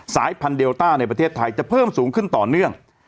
สายพันธุเดลต้าในประเทศไทยจะเพิ่มสูงขึ้นต่อเนื่อง